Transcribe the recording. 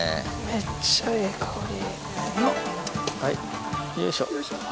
めっちゃええ香り。